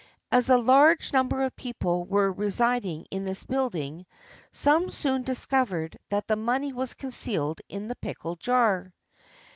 As a large number of people were resid ing in this building, some one soon discovered that the money was concealed in the pickle jar.